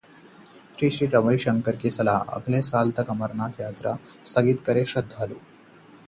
श्री श्री रविशंकर की सलाह- अगले साल तक अमरनाथ यात्रा स्थगित करें श्रद्धालु